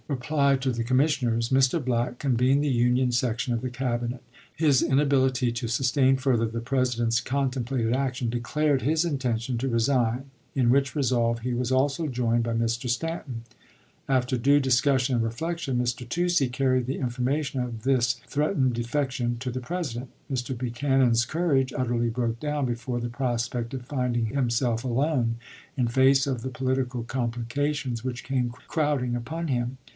reply to the commissioners, Mr. Black convened the Black, "Es Union section of the Cabinet, and announcing to says and speeches," them his inability to sustain further the President's contemplated action, declared his intention to re sign, in which resolve he was also joined by Mr. Stanton. After due discussion and reflection, Mr. Toucey carried the information of this threat ened defection to the President. Mr. Buchanan's courage utterly broke down before the prospect of finding himself alone in face of the political com plications which came crowding upon him.